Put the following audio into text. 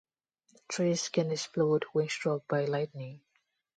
Trees can explode when struck by lightning.